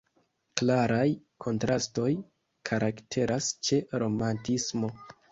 Klaraj kontrastoj karakteras ĉe romantismo.